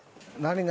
何？